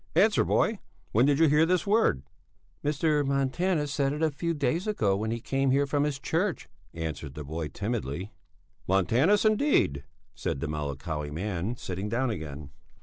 "Answer, boy, when did you hear this word?" "Mr. Montanus said it a few days ago, when he came here from his church," answered the boy timidly. "Montanus, indeed!" said the melancholy man, sitting down again.